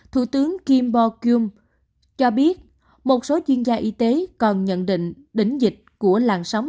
thủ tướng kim bo kum cho biết một số chuyên gia y tế còn nhận định đỉnh dịch của làn sóng